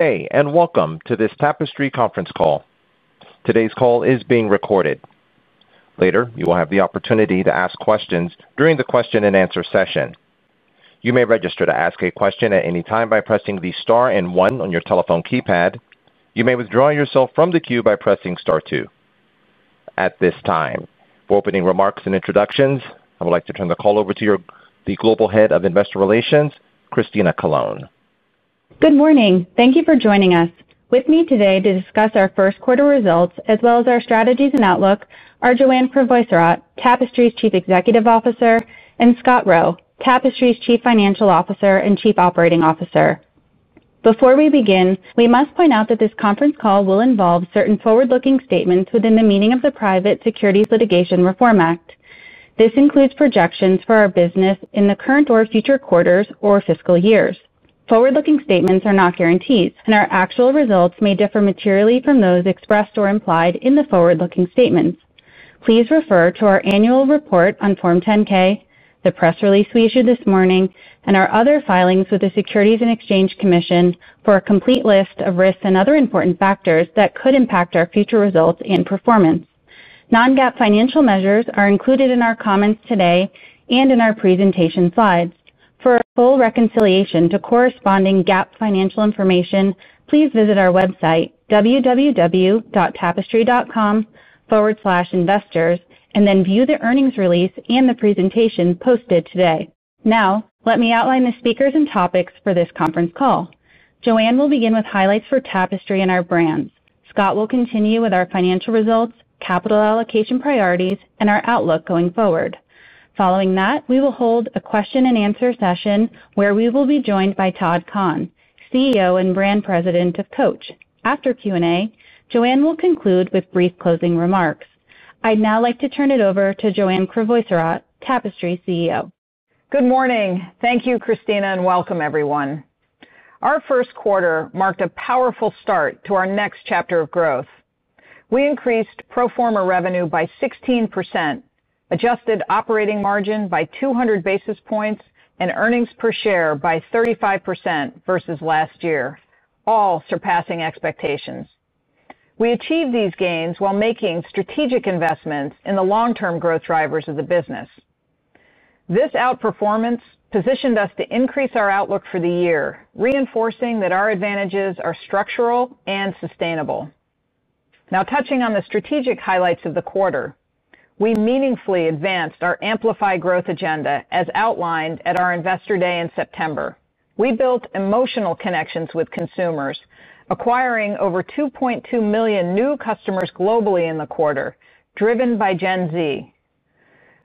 Hey, and welcome to this Tapestry conference call. Today's call is being recorded. Later, you will have the opportunity to ask questions during the question-and-answer session. You may register to ask a question at any time by pressing the star and one on your telephone keypad. You may withdraw yourself from the queue by pressing star two. At this time, for opening remarks and introductions, I would like to turn the call over to the Global Head of Investor Relations, Christina Colone. Good morning. Thank you for joining us. With me today to discuss our first-quarter results, as well as our strategies and outlook, are Joanne Crevoiserat, Tapestry's Chief Executive Officer, and Scott Roe, Tapestry's Chief Financial Officer and Chief Operating Officer. Before we begin, we must point out that this conference call will involve certain forward-looking statements within the meaning of the Private Securities Litigation Reform Act. This includes projections for our business in the current or future quarters or fiscal years. Forward-looking statements are not guarantees, and our actual results may differ materially from those expressed or implied in the forward-looking statements. Please refer to our annual report on Form 10-K, the press release we issued this morning, and our other filings with the Securities and Exchange Commission for a complete list of risks and other important factors that could impact our future results and performance. Non-GAAP financial measures are included in our comments today and in our presentation slides. For full reconciliation to corresponding GAAP financial information, please visit our website, www.tapestry.com, investors, and then view the earnings release and the presentation posted today. Now, let me outline the speakers and topics for this conference call. Joanne will begin with highlights for Tapestry and our brands. Scott will continue with our financial results, capital allocation priorities, and our outlook going forward. Following that, we will hold a question-and-answer session where we will be joined by Todd Kahn, CEO and Brand President of Coach. After Q&A, Joanne will conclude with brief closing remarks. I'd now like to turn it over to Joanne Crevoiserat, Tapestry CEO. Good morning. Thank you, Christina, and welcome, everyone. Our first quarter marked a powerful start to our next chapter of growth. We increased pro forma revenue by 16%, adjusted operating margin by 200 basis points, and earnings per share by 35% versus last year, all surpassing expectations. We achieved these gains while making strategic investments in the long-term growth drivers of the business. This outperformance positioned us to increase our outlook for the year, reinforcing that our advantages are structural and sustainable. Now, touching on the strategic highlights of the quarter, we meaningfully advanced our Amplify Growth agenda as outlined at our Investor Day in September. We built emotional connections with consumers, acquiring over 2.2 million new customers globally in the quarter, driven by Gen Z.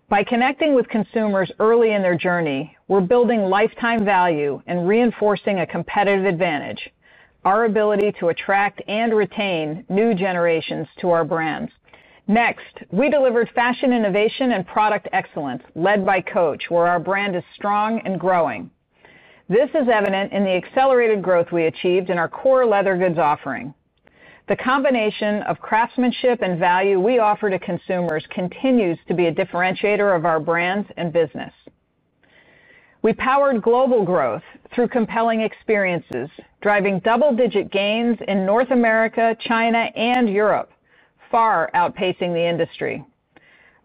By connecting with consumers early in their journey, we're building lifetime value and reinforcing a competitive advantage: our ability to attract and retain new generations to our brands. Next, we delivered fashion innovation and product excellence led by Coach, where our brand is strong and growing. This is evident in the accelerated growth we achieved in our core leather goods offering. The combination of craftsmanship and value we offer to consumers continues to be a differentiator of our brands and business. We powered global growth through compelling experiences, driving double-digit gains in North America, China, and Europe, far outpacing the industry.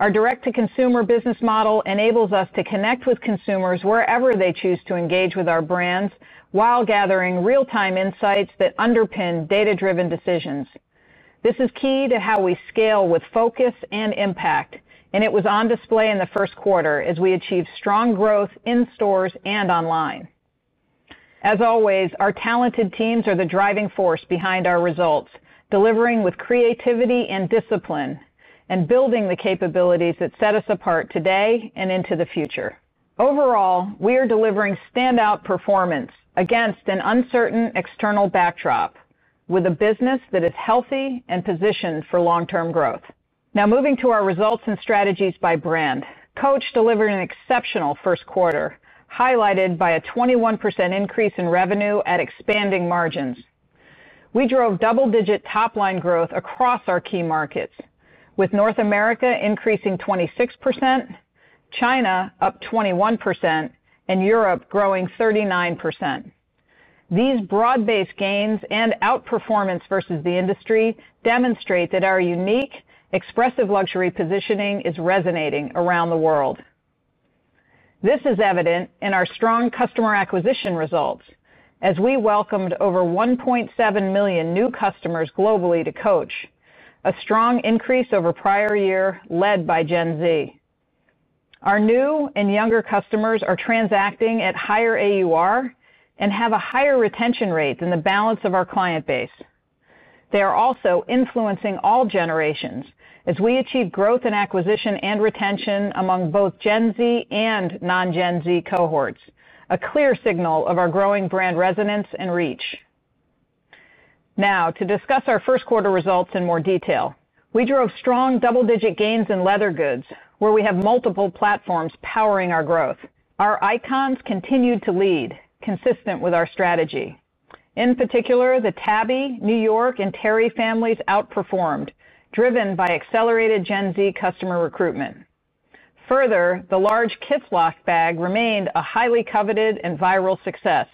Our direct-to-consumer business model enables us to connect with consumers wherever they choose to engage with our brands while gathering real-time insights that underpin data-driven decisions. This is key to how we scale with focus and impact, and it was on display in the first quarter as we achieved strong growth in stores and online. As always, our talented teams are the driving force behind our results, delivering with creativity and discipline and building the capabilities that set us apart today and into the future. Overall, we are delivering standout performance against an uncertain external backdrop with a business that is healthy and positioned for long-term growth. Now, moving to our results and strategies by brand, Coach delivered an exceptional first quarter, highlighted by a 21% increase in revenue at expanding margins. We drove double-digit top-line growth across our key markets, with North America increasing 26%, China up 21%, and Europe growing 39%. These broad-based gains and outperformance versus the industry demonstrate that our unique expressive luxury positioning is resonating around the world. This is evident in our strong customer acquisition results, as we welcomed over 1.7 million new customers globally to Coach, a strong increase over prior year led by Gen Z. Our new and younger customers are transacting at higher AUR and have a higher retention rate than the balance of our client base. They are also influencing all generations as we achieve growth in acquisition and retention among both Gen Z and non-Gen Z cohorts, a clear signal of our growing brand resonance and reach. Now, to discuss our first-quarter results in more detail, we drove strong double-digit gains in leather goods, where we have multiple platforms powering our growth. Our icons continued to lead, consistent with our strategy. In particular, the Tabby, New York, and Terry families outperformed, driven by accelerated Gen Z customer recruitment. Further, the large Kitzlof bag remained a highly coveted and viral success,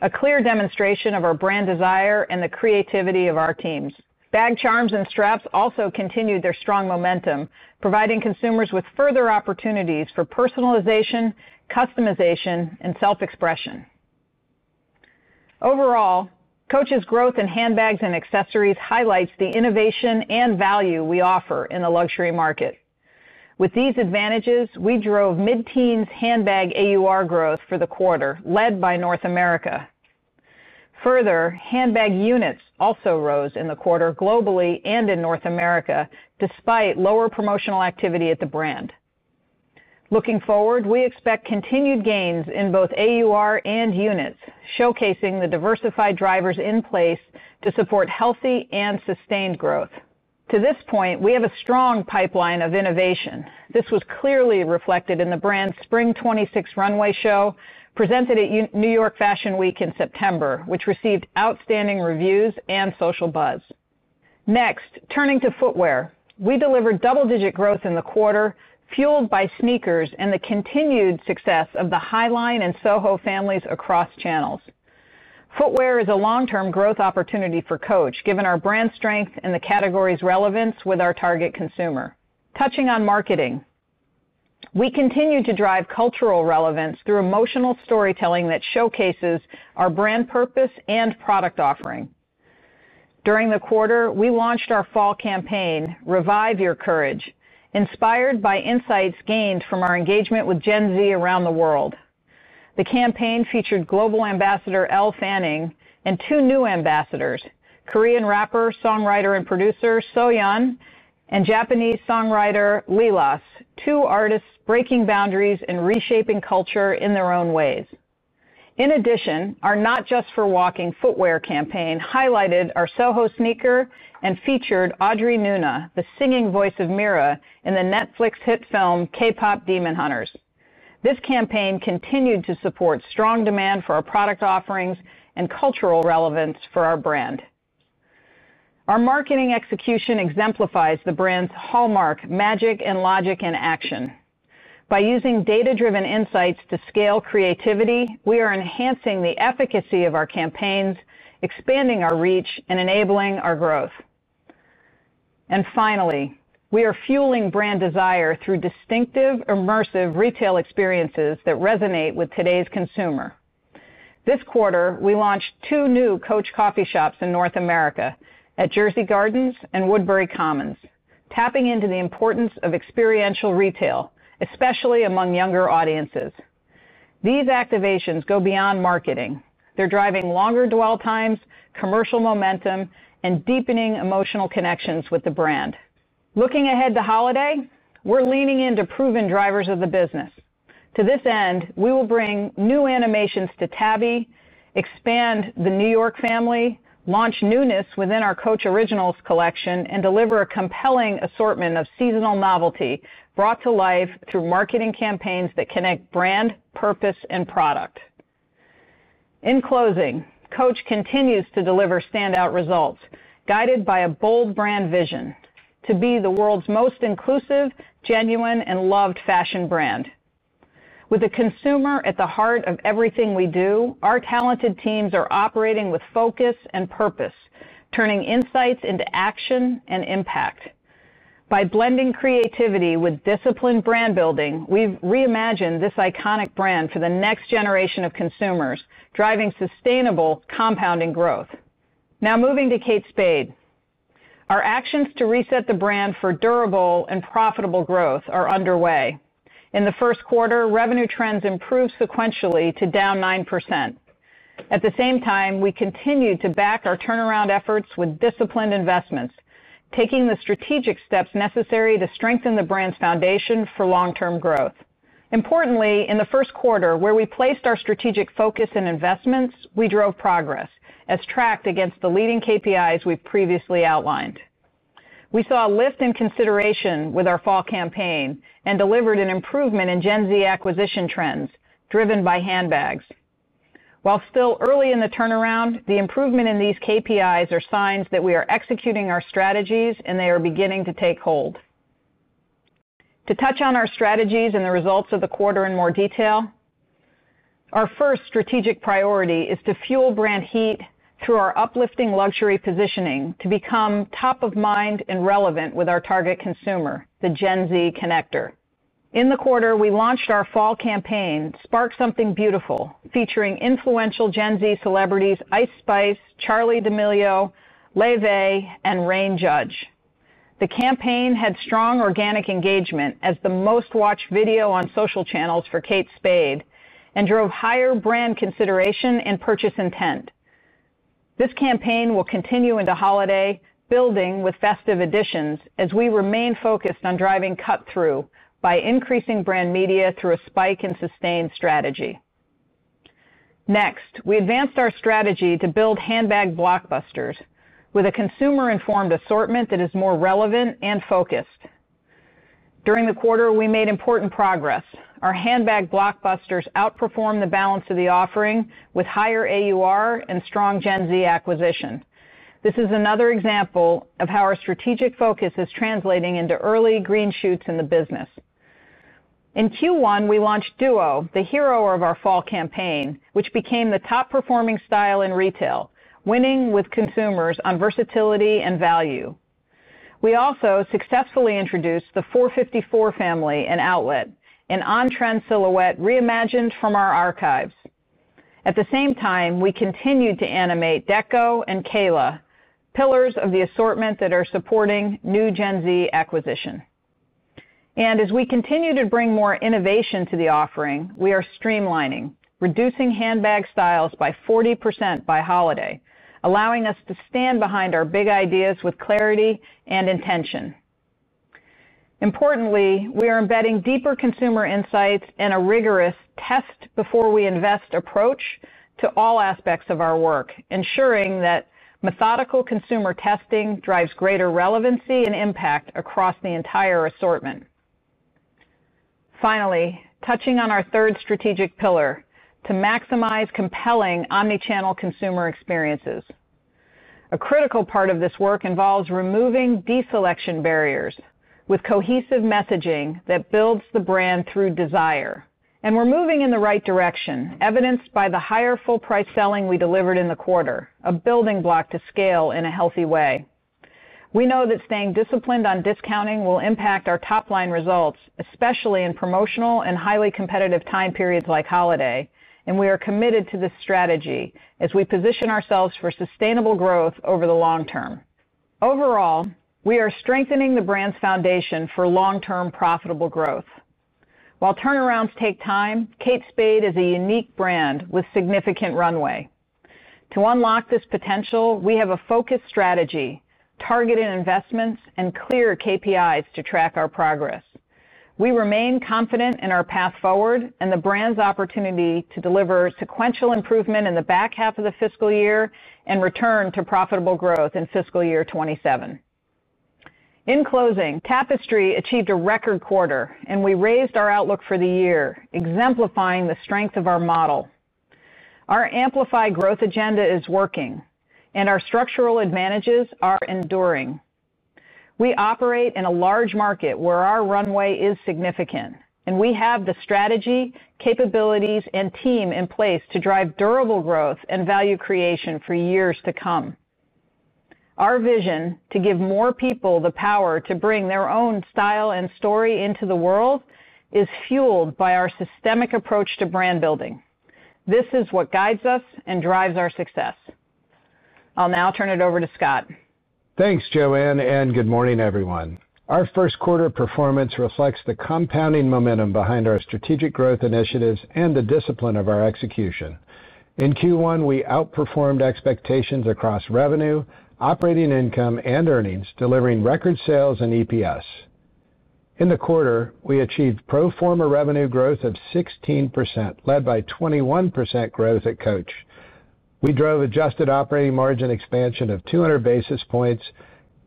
a clear demonstration of our brand desire and the creativity of our teams. Bag charms and straps also continued their strong momentum, providing consumers with further opportunities for personalization, customization, and self-expression. Overall, Coach's growth in handbags and accessories highlights the innovation and value we offer in the luxury market. With these advantages, we drove mid-teens handbag AUR growth for the quarter, led by North America. Further, handbag units also rose in the quarter globally and in North America, despite lower promotional activity at the brand. Looking forward, we expect continued gains in both AUR and units, showcasing the diversified drivers in place to support healthy and sustained growth. To this point, we have a strong pipeline of innovation. This was clearly reflected in the brand's Spring 2026 runway show presented at New York Fashion Week in September, which received outstanding reviews and social buzz. Next, turning to footwear, we delivered double-digit growth in the quarter, fueled by sneakers and the continued success of the Highline and Soho families across channels. Footwear is a long-term growth opportunity for Coach, given our brand strength and the category's relevance with our target consumer. Touching on marketing. We continue to drive cultural relevance through emotional storytelling that showcases our brand purpose and product offering. During the quarter, we launched our fall campaign, Revive Your Courage, inspired by insights gained from our engagement with Gen Z around the world. The campaign featured global ambassador Elle Fanning and two new ambassadors, Korean rapper, songwriter, and producer Soyeon, and Japanese songwriter Lilas, two artists breaking boundaries and reshaping culture in their own ways. In addition, our Not Just for Walking Footwear campaign highlighted our Soho sneaker and featured Audrey Nuna, the singing voice of Mira, in the Netflix hit film K-Pop Demon Hunters. This campaign continued to support strong demand for our product offerings and cultural relevance for our brand. Our marketing execution exemplifies the brand's hallmark magic and logic in action. By using data-driven insights to scale creativity, we are enhancing the efficacy of our campaigns, expanding our reach, and enabling our growth. Finally, we are fueling brand desire through distinctive, immersive retail experiences that resonate with today's consumer. This quarter, we launched two new Coach coffee shops in North America, at Jersey Gardens and Woodbury Commons, tapping into the importance of experiential retail, especially among younger audiences. These activations go beyond marketing. They're driving longer dwell times, commercial momentum, and deepening emotional connections with the brand. Looking ahead to holiday, we're leaning into proven drivers of the business. To this end, we will bring new animations to Tabby, expand the New York family, launch newness within our Coach Originals collection, and deliver a compelling assortment of seasonal novelty brought to life through marketing campaigns that connect brand, purpose, and product. In closing, Coach continues to deliver standout results, guided by a bold brand vision to be the world's most inclusive, genuine, and loved fashion brand. With the consumer at the heart of everything we do, our talented teams are operating with focus and purpose, turning insights into action and impact. By blending creativity with disciplined brand building, we've reimagined this iconic brand for the next generation of consumers, driving sustainable compounding growth. Now, moving to Kate Spade. Our actions to reset the brand for durable and profitable growth are underway. In the first quarter, revenue trends improved sequentially to down 9%. At the same time, we continue to back our turnaround efforts with disciplined investments, taking the strategic steps necessary to strengthen the brand's foundation for long-term growth. Importantly, in the first quarter, where we placed our strategic focus and investments, we drove progress as tracked against the leading KPIs we've previously outlined. We saw a lift in consideration with our fall campaign and delivered an improvement in Gen Z acquisition trends driven by handbags. While still early in the turnaround, the improvement in these KPIs are signs that we are executing our strategies, and they are beginning to take hold. To touch on our strategies and the results of the quarter in more detail. Our first strategic priority is to fuel brand heat through our uplifting luxury positioning to become top of mind and relevant with our target consumer, the Gen Z connector. In the quarter, we launched our fall campaign, Spark Something Beautiful, featuring influential Gen Z celebrities Ice Spice, Charli D'Amelio, Laufey, and Reign Judge. The campaign had strong organic engagement as the most watched video on social channels for Kate Spade and drove higher brand consideration and purchase intent. This campaign will continue into holiday, building with festive additions as we remain focused on driving cut-through by increasing brand media through a spike and sustained strategy. Next, we advanced our strategy to build handbag blockbusters with a consumer-informed assortment that is more relevant and focused. During the quarter, we made important progress. Our handbag blockbusters outperformed the balance of the offering with higher AUR and strong Gen Z acquisition. This is another example of how our strategic focus is translating into early green shoots in the business. In Q1, we launched Duo, the hero of our fall campaign, which became the top-performing style in retail, winning with consumers on versatility and value. We also successfully introduced the 454 family in outlet, an on-trend silhouette reimagined from our archives. At the same time, we continued to animate Deco and Kala, pillars of the assortment that are supporting new Gen Z acquisition. As we continue to bring more innovation to the offering, we are streamlining, reducing handbag styles by 40% by holiday, allowing us to stand behind our big ideas with clarity and intention. Importantly, we are embedding deeper consumer insights and a rigorous test-before-we-invest approach to all aspects of our work, ensuring that methodical consumer testing drives greater relevancy and impact across the entire assortment. Finally, touching on our third strategic pillar, to maximize compelling omnichannel consumer experiences. A critical part of this work involves removing deselection barriers with cohesive messaging that builds the brand through desire. We are moving in the right direction, evidenced by the higher full-price selling we delivered in the quarter, a building block to scale in a healthy way. We know that staying disciplined on discounting will impact our top-line results, especially in promotional and highly competitive time periods like holiday, and we are committed to this strategy as we position ourselves for sustainable growth over the long term. Overall, we are strengthening the brand's foundation for long-term profitable growth. While turnarounds take time, Kate Spade is a unique brand with significant runway. To unlock this potential, we have a focused strategy, targeted investments, and clear KPIs to track our progress. We remain confident in our path forward and the brand's opportunity to deliver sequential improvement in the back half of the fiscal year and return to profitable growth in fiscal year 2027. In closing, Tapestry achieved a record quarter, and we raised our outlook for the year, exemplifying the strength of our model. Our amplified growth agenda is working, and our structural advantages are enduring. We operate in a large market where our runway is significant, and we have the strategy, capabilities, and team in place to drive durable growth and value creation for years to come. Our vision to give more people the power to bring their own style and story into the world is fueled by our systemic approach to brand building. This is what guides us and drives our success. I'll now turn it over to Scott. Thanks, Joanne, and good morning, everyone. Our first-quarter performance reflects the compounding momentum behind our strategic growth initiatives and the discipline of our execution. In Q1, we outperformed expectations across revenue, operating income, and earnings, delivering record sales and EPS. In the quarter, we achieved pro forma revenue growth of 16%, led by 21% growth at Coach. We drove adjusted operating margin expansion of 200 basis points,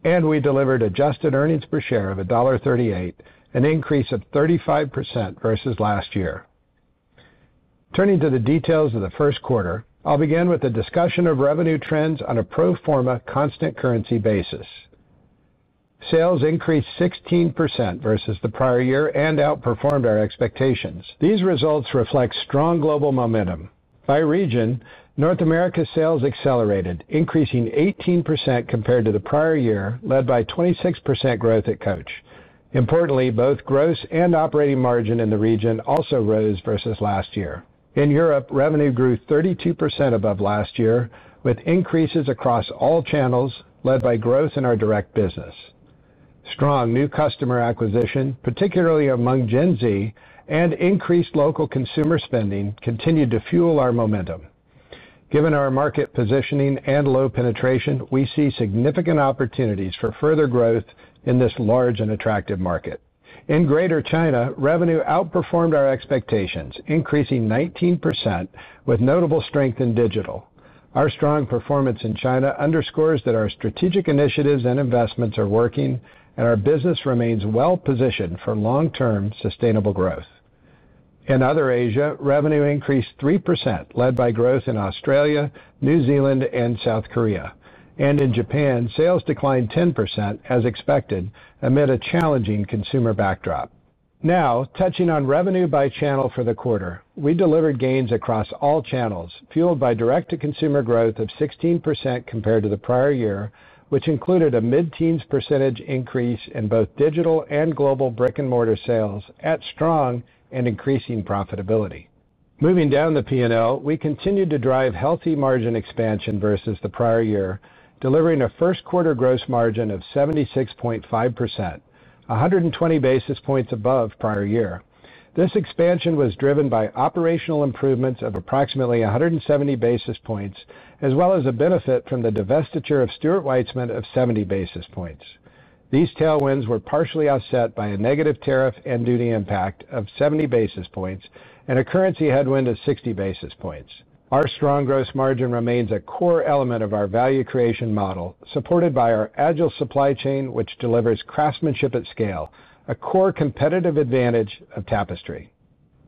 and we delivered adjusted earnings per share of $1.38, an increase of 35% versus last year. Turning to the details of the first quarter, I'll begin with a discussion of revenue trends on a pro forma constant currency basis. Sales increased 16% versus the prior year and outperformed our expectations. These results reflect strong global momentum. By region, North America's sales accelerated, increasing 18% compared to the prior year, led by 26% growth at Coach. Importantly, both gross and operating margin in the region also rose versus last year. In Europe, revenue grew 32% above last year, with increases across all channels led by growth in our direct business. Strong new customer acquisition, particularly among Gen Z, and increased local consumer spending continued to fuel our momentum. Given our market positioning and low penetration, we see significant opportunities for further growth in this large and attractive market. In Greater China, revenue outperformed our expectations, increasing 19% with notable strength in digital. Our strong performance in China underscores that our strategic initiatives and investments are working, and our business remains well-positioned for long-term sustainable growth. In other Asia, revenue increased 3%, led by growth in Australia, New Zealand, and South Korea. In Japan, sales declined 10%, as expected, amid a challenging consumer backdrop. Now, touching on revenue by channel for the quarter, we delivered gains across all channels, fueled by direct-to-consumer growth of 16% compared to the prior year, which included a mid-teens percentage increase in both digital and global brick-and-mortar sales at strong and increasing profitability. Moving down the P&L, we continued to drive healthy margin expansion versus the prior year, delivering a first-quarter gross margin of 76.5%, 120 basis points above prior year. This expansion was driven by operational improvements of approximately 170 basis points, as well as a benefit from the divestiture of Stuart Weitzman of 70 basis points. These tailwinds were partially offset by a negative tariff and duty impact of 70 basis points and a currency headwind of 60 basis points. Our strong gross margin remains a core element of our value creation model, supported by our agile supply chain, which delivers craftsmanship at scale, a core competitive advantage of Tapestry.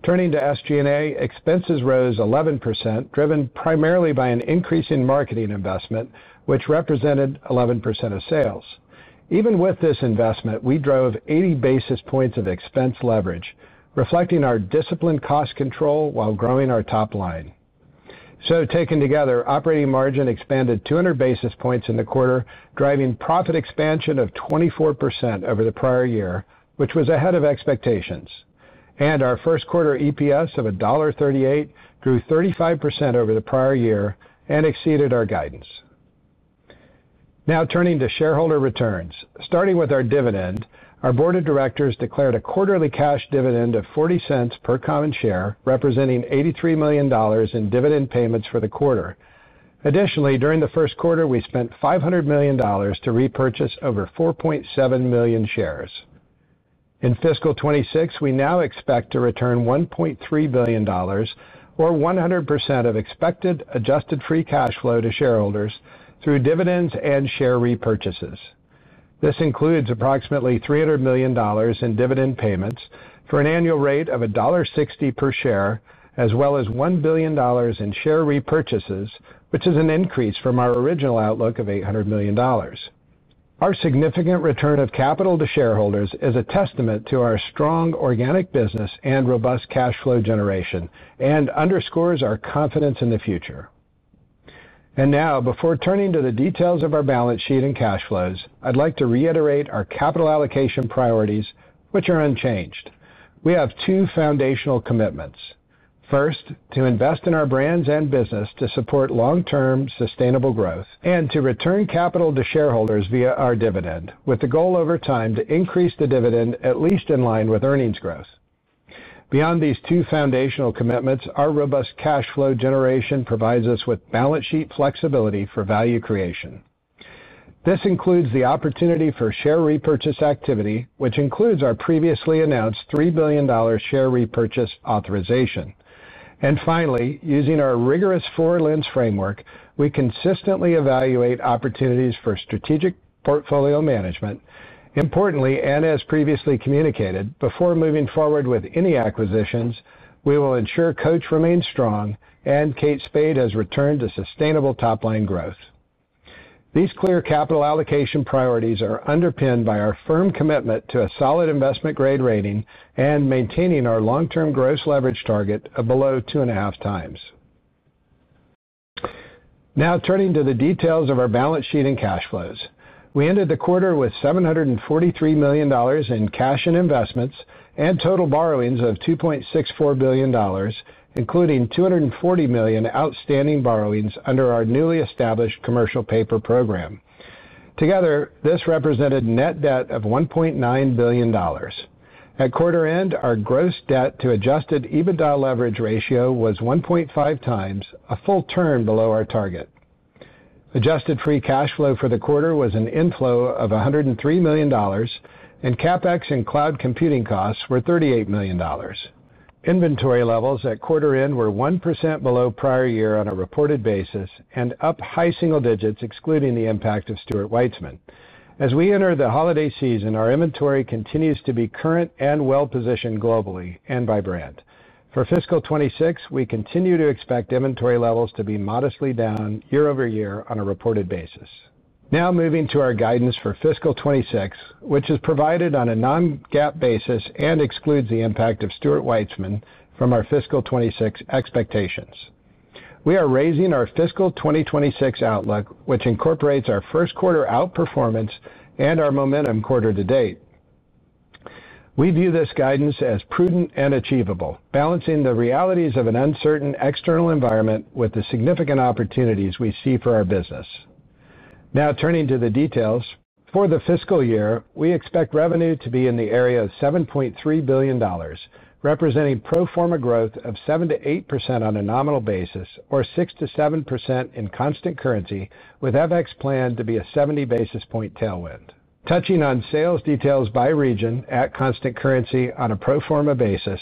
Turning to SG&A, expenses rose 11%, driven primarily by an increase in marketing investment, which represented 11% of sales. Even with this investment, we drove 80 basis points of expense leverage, reflecting our disciplined cost control while growing our top line. Taken together, operating margin expanded 200 basis points in the quarter, driving profit expansion of 24% over the prior year, which was ahead of expectations. Our first-quarter EPS of $1.38 grew 35% over the prior year and exceeded our guidance. Now, turning to shareholder returns. Starting with our dividend, our board of directors declared a quarterly cash dividend of $0.40 per common share, representing $83 million in dividend payments for the quarter. Additionally, during the first quarter, we spent $500 million to repurchase over 4.7 million shares. In fiscal 2026, we now expect to return $1.3 billion, or 100% of expected adjusted free cash flow to shareholders through dividends and share repurchases. This includes approximately $300 million in dividend payments for an annual rate of $1.60 per share, as well as $1 billion in share repurchases, which is an increase from our original outlook of $800 million. Our significant return of capital to shareholders is a testament to our strong organic business and robust cash flow generation and underscores our confidence in the future. Before turning to the details of our balance sheet and cash flows, I'd like to reiterate our capital allocation priorities, which are unchanged. We have two foundational commitments. First, to invest in our brands and business to support long-term sustainable growth and to return capital to shareholders via our dividend, with the goal over time to increase the dividend at least in line with earnings growth. Beyond these two foundational commitments, our robust cash flow generation provides us with balance sheet flexibility for value creation. This includes the opportunity for share repurchase activity, which includes our previously announced $3 billion share repurchase authorization. Finally, using our rigorous four-lens framework, we consistently evaluate opportunities for strategic portfolio management. Importantly, and as previously communicated, before moving forward with any acquisitions, we will ensure Coach remains strong and Kate Spade has returned to sustainable top-line growth. These clear capital allocation priorities are underpinned by our firm commitment to a solid investment-grade rating and maintaining our long-term gross leverage target of below two and a half times. Now, turning to the details of our balance sheet and cash flows. We ended the quarter with $743 million in cash and investments and total borrowings of $2.64 billion, including $240 million outstanding borrowings under our newly established commercial paper program. Together, this represented net debt of $1.9 billion. At quarter end, our gross debt to adjusted EBITDA leverage ratio was 1.5x, a full turn below our target. Adjusted free cash flow for the quarter was an inflow of $103 million, and CapEx and cloud computing costs were $38 million. Inventory levels at quarter end were 1% below prior year on a reported basis and up high single digits, excluding the impact of Stuart Weitzman. As we enter the holiday season, our inventory continues to be current and well-positioned globally and by brand. For fiscal 2026, we continue to expect inventory levels to be modestly down year over year on a reported basis. Now, moving to our guidance for fiscal 2026, which is provided on a non-GAAP basis and excludes the impact of Stuart Weitzman from our fiscal 2026 expectations. We are raising our fiscal 2026 outlook, which incorporates our first-quarter outperformance and our momentum quarter to date. We view this guidance as prudent and achievable, balancing the realities of an uncertain external environment with the significant opportunities we see for our business. Now, turning to the details, for the fiscal year, we expect revenue to be in the area of $7.3 billion, representing pro forma growth of 7%-8% on a nominal basis, or 6%-7% in constant currency, with FX planned to be a 70 basis point tailwind. Touching on sales details by region at constant currency on a pro forma basis,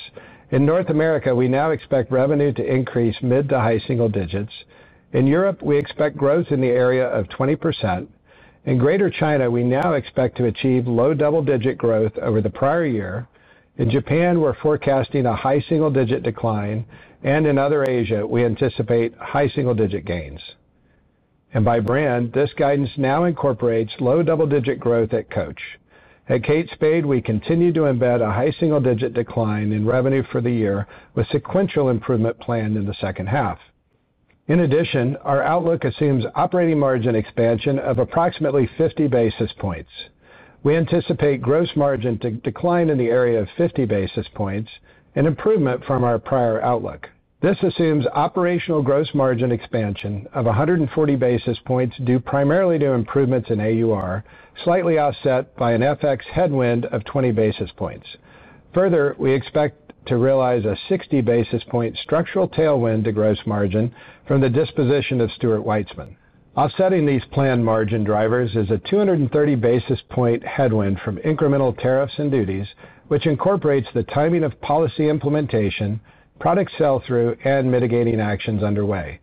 in North America, we now expect revenue to increase mid to high single digits. In Europe, we expect growth in the area of 20%. In Greater China, we now expect to achieve low double-digit growth over the prior year. In Japan, we're forecasting a high single-digit decline, and in other Asia, we anticipate high single-digit gains. By brand, this guidance now incorporates low double-digit growth at Coach. At Kate Spade, we continue to embed a high single-digit decline in revenue for the year, with sequential improvement planned in the second half. In addition, our outlook assumes operating margin expansion of approximately 50 basis points. We anticipate gross margin to decline in the area of 50 basis points and improvement from our prior outlook. This assumes operational gross margin expansion of 140 basis points due primarily to improvements in AUR, slightly offset by an FX headwind of 20 basis points. Further, we expect to realize a 60 basis point structural tailwind to gross margin from the disposition of Stuart Weitzman. Offsetting these planned margin drivers is a 230 basis point headwind from incremental tariffs and duties, which incorporates the timing of policy implementation, product sell-through, and mitigating actions underway.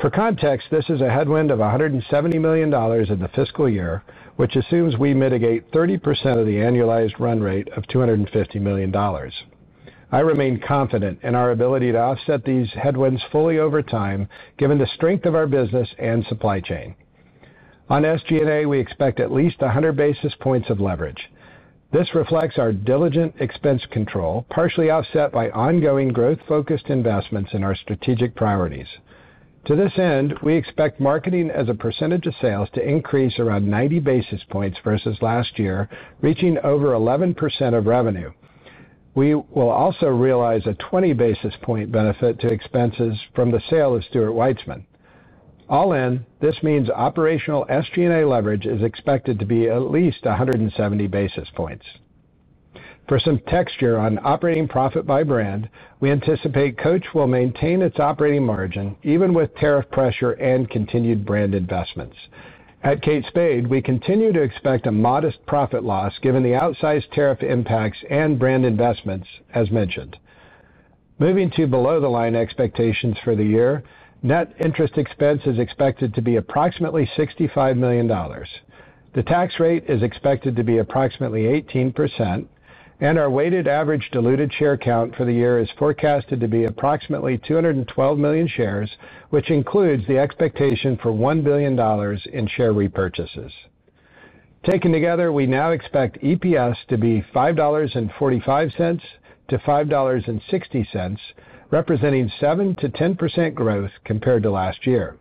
For context, this is a headwind of $170 million in the fiscal year, which assumes we mitigate 30% of the annualized run rate of $250 million. I remain confident in our ability to offset these headwinds fully over time, given the strength of our business and supply chain. On SG&A, we expect at least 100 basis points of leverage. This reflects our diligent expense control, partially offset by ongoing growth-focused investments in our strategic priorities. To this end, we expect marketing as a percentage of sales to increase around 90 basis points versus last year, reaching over 11% of revenue. We will also realize a 20 basis point benefit to expenses from the sale of Stuart Weitzman. All in, this means operational SG&A leverage is expected to be at least 170 basis points. For some texture on operating profit by brand, we anticipate Coach will maintain its operating margin even with tariff pressure and continued brand investments. At Kate Spade, we continue to expect a modest profit loss given the outsized tariff impacts and brand investments, as mentioned. Moving to below-the-line expectations for the year, net interest expense is expected to be approximately $65 million. The tax rate is expected to be approximately 18%. Our weighted average diluted share count for the year is forecasted to be approximately 212 million shares, which includes the expectation for $1 billion in share repurchases. Taken together, we now expect EPS to be $5.45-$5.60, representing 7%-10% growth compared to last year.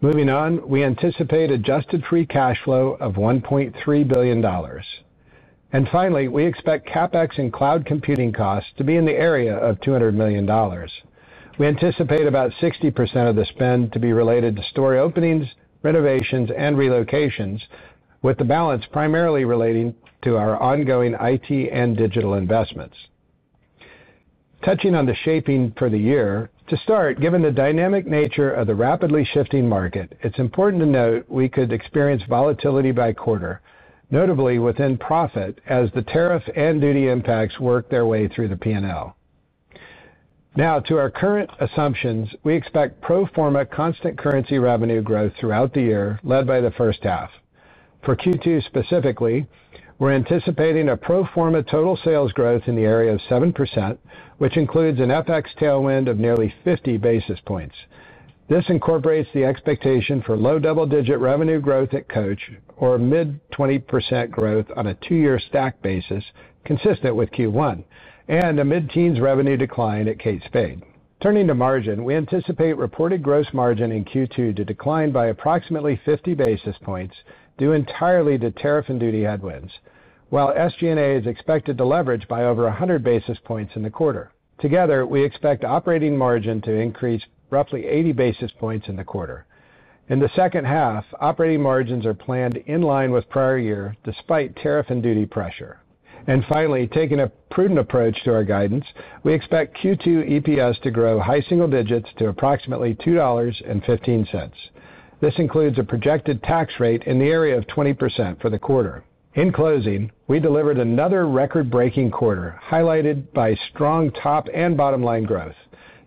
Moving on, we anticipate adjusted free cash flow of $1.3 billion. Finally, we expect CapEx and cloud computing costs to be in the area of $200 million. We anticipate about 60% of the spend to be related to store openings, renovations, and relocations, with the balance primarily relating to our ongoing IT and digital investments. Touching on the shaping for the year, to start, given the dynamic nature of the rapidly shifting market, it's important to note we could experience volatility by quarter, notably within profit as the tariff and duty impacts work their way through the P&L. Now, to our current assumptions, we expect pro forma constant currency revenue growth throughout the year, led by the first half. For Q2 specifically, we're anticipating a pro forma total sales growth in the area of 7%, which includes an FX tailwind of nearly 50 basis points. This incorporates the expectation for low double-digit revenue growth at Coach, or mid-20% growth on a two-year stack basis, consistent with Q1, and a mid-teens revenue decline at Kate Spade. Turning to margin, we anticipate reported gross margin in Q2 to decline by approximately 50 basis points due entirely to tariff and duty headwinds, while SG&A is expected to leverage by over 100 basis points in the quarter. Together, we expect operating margin to increase roughly 80 basis points in the quarter. In the second half, operating margins are planned in line with prior year despite tariff and duty pressure. Finally, taking a prudent approach to our guidance, we expect Q2 EPS to grow high single digits to approximately $2.15. This includes a projected tax rate in the area of 20% for the quarter. In closing, we delivered another record-breaking quarter, highlighted by strong top and bottom line growth.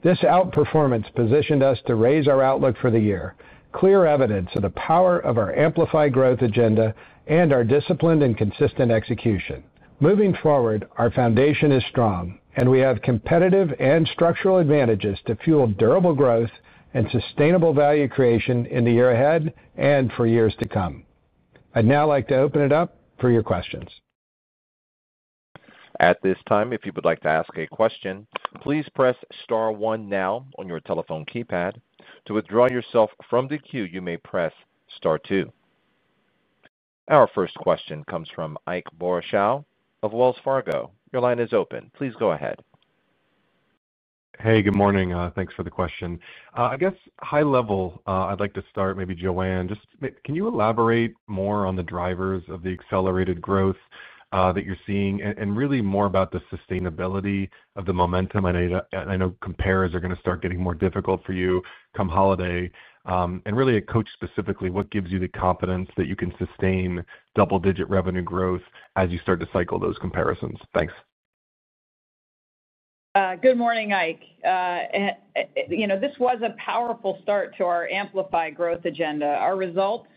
This outperformance positioned us to raise our outlook for the year, clear evidence of the power of our amplified growth agenda and our disciplined and consistent execution. Moving forward, our foundation is strong, and we have competitive and structural advantages to fuel durable growth and sustainable value creation in the year ahead and for years to come. I'd now like to open it up for your questions. At this time, if you would like to ask a question, please press star one now on your telephone keypad. To withdraw yourself from the queue, you may press star two. Our first question comes from Ike Boruchow of Wells Fargo. Your line is open. Please go ahead. Hey, good morning. Thanks for the question. I guess high level, I'd like to start maybe Joanne. Just can you elaborate more on the drivers of the accelerated growth that you're seeing and really more about the sustainability of the momentum? I know compares are going to start getting more difficult for you come holiday. Really, at Coach specifically, what gives you the confidence that you can sustain double-digit revenue growth as you start to cycle those comparisons? Thanks. Good morning, Ike. This was a powerful start to our amplified growth agenda. Our results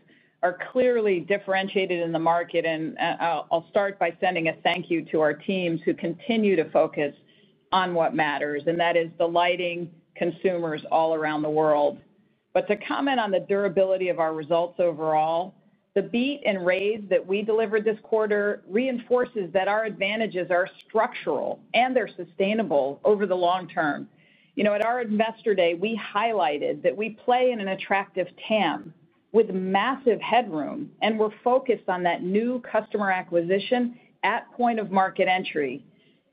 are clearly differentiated in the market, and I'll start by sending a thank you to our teams who continue to focus on what matters, and that is delighting consumers all around the world. To comment on the durability of our results overall, the beat and raise that we delivered this quarter reinforces that our advantages are structural and they're sustainable over the long term. At our investor day, we highlighted that we play in an attractive TAM with massive headroom, and we're focused on that new customer acquisition at point of market entry.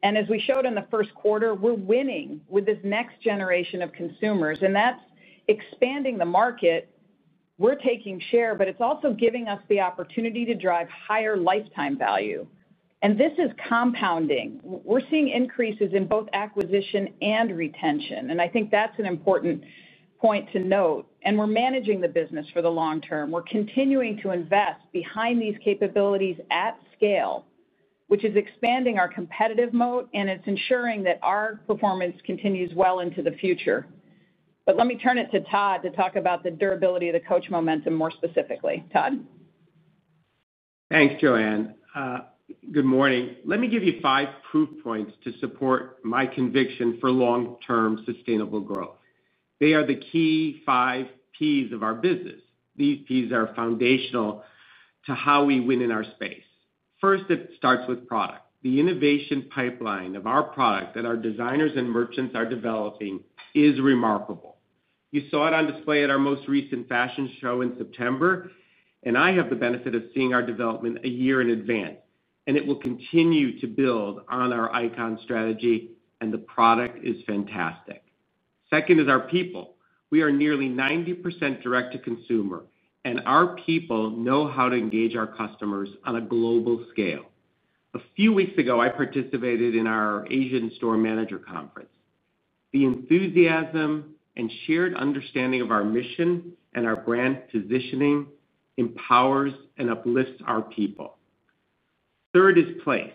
As we showed in the first quarter, we're winning with this next generation of consumers, and that's expanding the market. We're taking share, but it's also giving us the opportunity to drive higher lifetime value. This is compounding. We're seeing increases in both acquisition and retention, and I think that's an important point to note. We're managing the business for the long term. We're continuing to invest behind these capabilities at scale, which is expanding our competitive moat, and it's ensuring that our performance continues well into the future. Let me turn it to Todd to talk about the durability of the Coach momentum more specifically. Todd. Thanks, Joanne. Good morning. Let me give you five proof points to support my conviction for long-term sustainable growth. They are the key five P's of our business. These P's are foundational to how we win in our space. First, it starts with product. The innovation pipeline of our product that our designers and merchants are developing is remarkable. You saw it on display at our most recent fashion show in September, and I have the benefit of seeing our development a year in advance. It will continue to build on our icon strategy, and the product is fantastic. Second is our people. We are nearly 90% direct-to-consumer, and our people know how to engage our customers on a global scale. A few weeks ago, I participated in our Asian Store Manager Conference. The enthusiasm and shared understanding of our mission and our brand positioning empowers and uplifts our people. Third is place.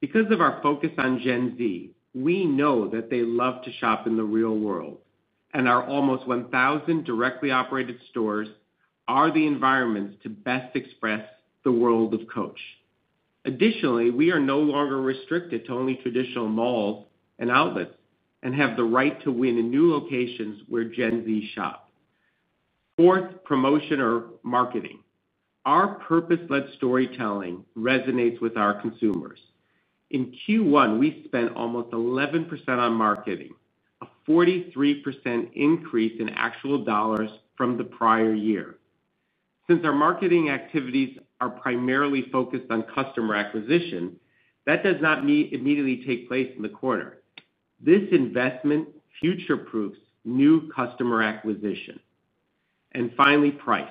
Because of our focus on Gen Z, we know that they love to shop in the real world, and our almost 1,000 directly operated stores are the environments to best express the world of Coach. Additionally, we are no longer restricted to only traditional malls and outlets and have the right to win in new locations where Gen Z shop. Fourth, promotion or marketing. Our purpose-led storytelling resonates with our consumers. In Q1, we spent almost 11% on marketing, a 43% increase in actual dollars from the prior year. Since our marketing activities are primarily focused on customer acquisition, that does not immediately take place in the quarter. This investment future-proofs new customer acquisition. Finally, price.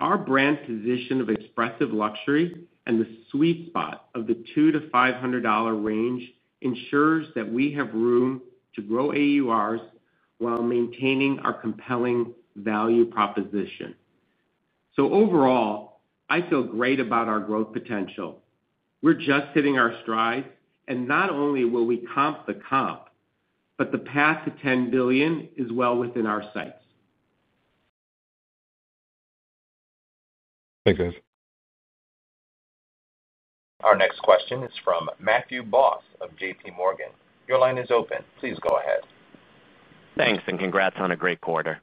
Our brand position of expressive luxury and the sweet spot of the $200-$500 range ensures that we have room to grow AURs while maintaining our compelling value proposition. Overall, I feel great about our growth potential. We're just hitting our strides, and not only will we comp the comp, but the path to $10 billion is well within our sights. Thank you, guys. Our next question is from Matt Boss of JPMorgan. Your line is open. Please go ahead. Thanks, and congrats on a great quarter.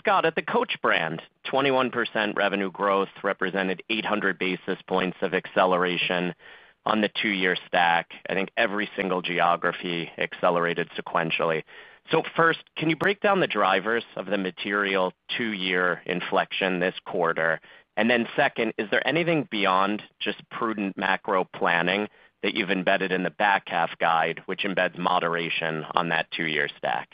Scott, at the Coach brand, 21% revenue growth represented 800 basis points of acceleration on the two-year stack. I think every single geography accelerated sequentially. First, can you break down the drivers of the material two-year inflection this quarter? Second, is there anything beyond just prudent macro planning that you've embedded in the back half guide, which embeds moderation on that two-year stack?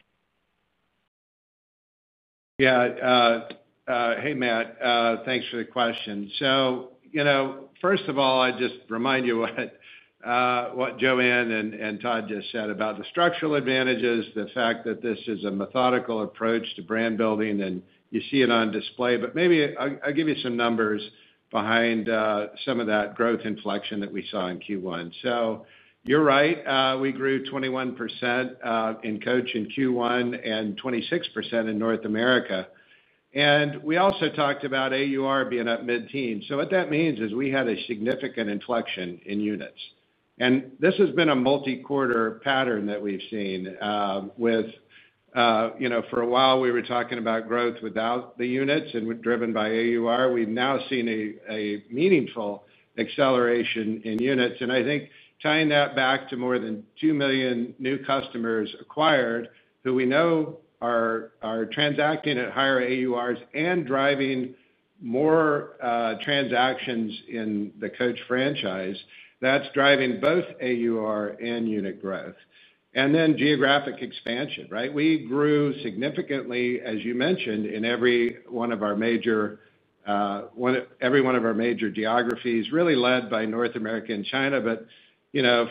Yeah. Hey, Matt. Thanks for the question. First of all, I just remind you what Joanne and Todd just said about the structural advantages, the fact that this is a methodical approach to brand building, and you see it on display. Maybe I'll give you some numbers behind some of that growth inflection that we saw in Q1. You're right. We grew 21% in Coach in Q1 and 26% in North America. We also talked about AUR being at mid-teens. What that means is we had a significant inflection in units. This has been a multi-quarter pattern that we've seen with. For a while, we were talking about growth without the units and driven by AUR. We've now seen a meaningful acceleration in units. I think tying that back to more than 2 million new customers acquired, who we know are transacting at higher AURs and driving more transactions in the Coach franchise, that's driving both AUR and unit growth. Then geographic expansion, right? We grew significantly, as you mentioned, in every one of our major geographies, really led by North America and China.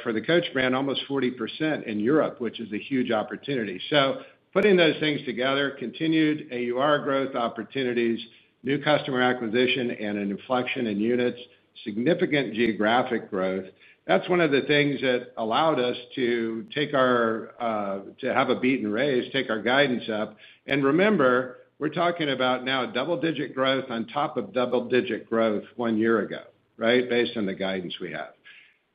For the Coach brand, almost 40% in Europe, which is a huge opportunity. Putting those things together, continued AUR growth opportunities, new customer acquisition, and an inflection in units, significant geographic growth, that's one of the things that allowed us to have a beat and raise, take our guidance up. Remember, we're talking about now double-digit growth on top of double-digit growth one year ago, right, based on the guidance we have.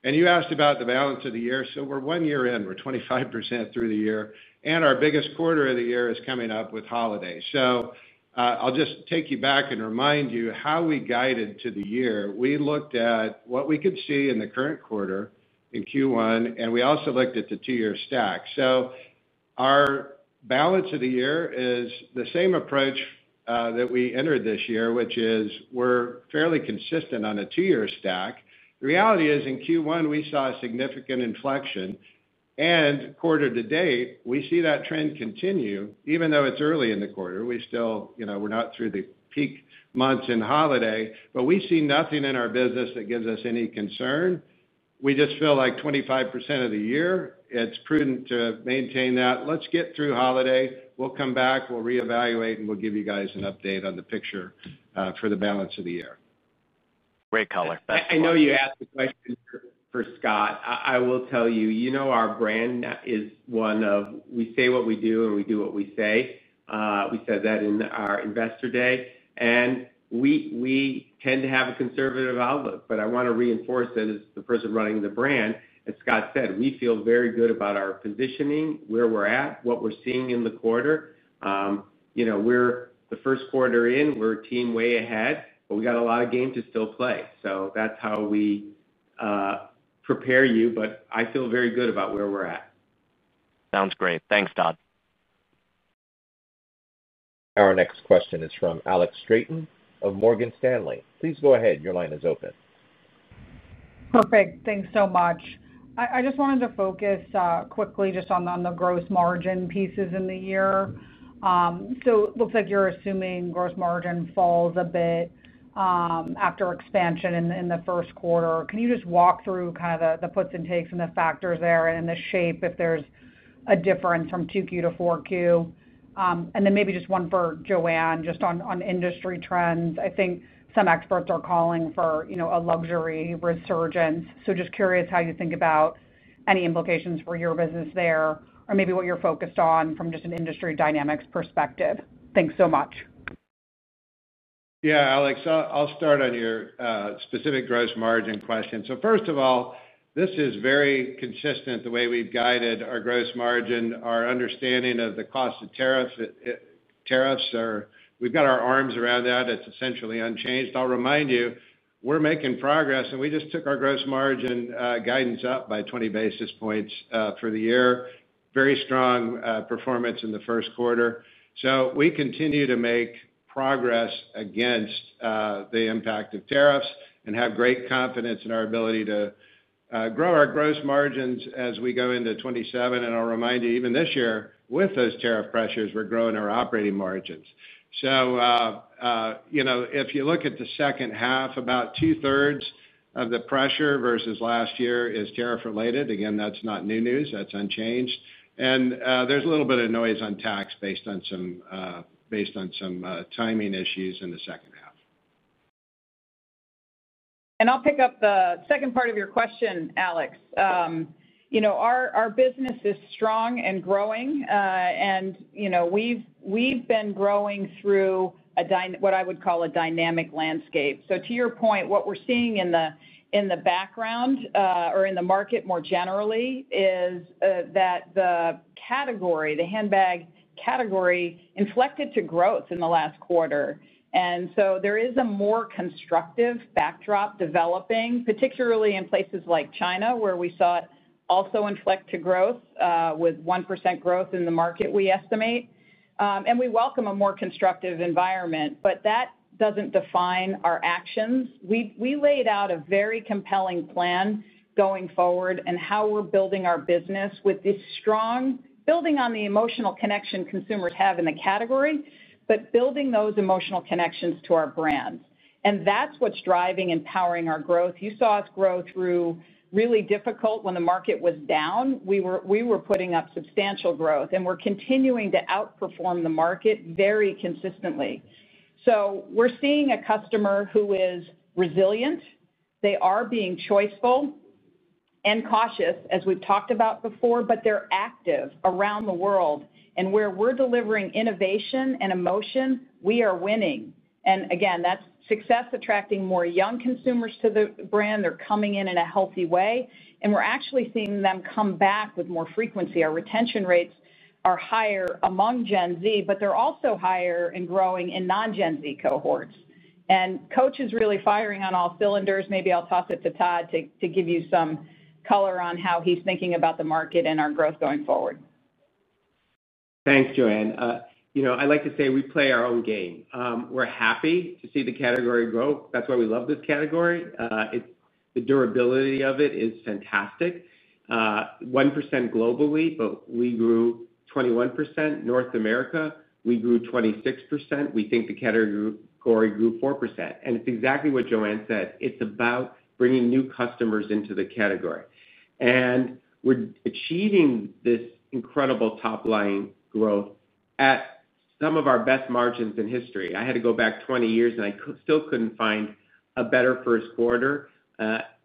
You asked about the balance of the year. We're one year in. We're 25% through the year. Our biggest quarter of the year is coming up with holidays. I'll just take you back and remind you how we guided to the year. We looked at what we could see in the current quarter in Q1, and we also looked at the two-year stack. Our balance of the year is the same approach that we entered this year, which is we're fairly consistent on a two-year stack. The reality is in Q1, we saw a significant inflection. Quarter to date, we see that trend continue. Even though it's early in the quarter, we still, we're not through the peak months in holiday, but we see nothing in our business that gives us any concern. We just feel like 25% of the year, it's prudent to maintain that. Let's get through holiday. We'll come back, we'll reevaluate, and we'll give you guys an update on the picture for the balance of the year. Great color. I know you asked the question for Scott. I will tell you, you know our brand is one of we say what we do and we do what we say. We said that in our Investor Day. We tend to have a conservative outlook, but I want to reinforce it as the person running the brand. As Scott said, we feel very good about our positioning, where we're at, what we're seeing in the quarter. We're the first quarter in, we're a team way ahead, but we got a lot of game to still play. That's how we prepare you, but I feel very good about where we're at. Sounds great. Thanks, Todd. Our next question is from Alex Stratton of Morgan Stanley. Please go ahead. Your line is open. Perfect. Thanks so much. I just wanted to focus quickly just on the gross margin pieces in the year. It looks like you're assuming gross margin falls a bit after expansion in the first quarter. Can you just walk through kind of the puts and takes and the factors there and the shape if there's a difference from 2Q to 4Q? Then maybe just one for Joanne, just on industry trends. I think some experts are calling for a luxury resurgence. Just curious how you think about any implications for your business there or maybe what you're focused on from just an industry dynamics perspective. Thanks so much. Yeah, Alex, I'll start on your specific gross margin question. First of all, this is very consistent the way we've guided our gross margin, our understanding of the cost of tariffs. We've got our arms around that. It's essentially unchanged. I'll remind you, we're making progress, and we just took our gross margin guidance up by 20 basis points for the year. Very strong performance in the first quarter. We continue to make progress against the impact of tariffs and have great confidence in our ability to grow our gross margins as we go into 2027. I'll remind you, even this year, with those tariff pressures, we're growing our operating margins. If you look at the second half, about2/3 of the pressure versus last year is tariff-related. Again, that's not new news. That's unchanged. There's a little bit of noise on tax based on some timing issues in the second half. I'll pick up the second part of your question, Alex. Our business is strong and growing, and we've been growing through what I would call a dynamic landscape. To your point, what we're seeing in the background or in the market more generally is that the handbag category inflected to growth in the last quarter. There is a more constructive backdrop developing, particularly in places like China where we saw it also inflect to growth with 1% growth in the market we estimate. We welcome a more constructive environment, but that doesn't define our actions. We laid out a very compelling plan going forward and how we're building our business with this strong building on the emotional connection consumers have in the category, but building those emotional connections to our brands. That's what's driving and powering our growth. You saw us grow through really difficult when the market was down. We were putting up substantial growth, and we're continuing to outperform the market very consistently. We are seeing a customer who is resilient. They are being choiceful and cautious, as we've talked about before, but they're active around the world. Where we're delivering innovation and emotion, we are winning. That success is attracting more young consumers to the brand. They're coming in in a healthy way. We're actually seeing them come back with more frequency. Our retention rates are higher among Gen Z, but they're also higher and growing in non-Gen Z cohorts. Coach is really firing on all cylinders. Maybe I'll toss it to Todd to give you some color on how he's thinking about the market and our growth going forward. Thanks, Joanne. I like to say we play our own game. We're happy to see the category grow. That's why we love this category. The durability of it is fantastic. 1% globally, but we grew 21%. North America, we grew 26%. We think the category grew 4%. It is exactly what Joanne said. It is about bringing new customers into the category. We're achieving this incredible top-line growth at some of our best margins in history. I had to go back 20 years, and I still couldn't find a better first quarter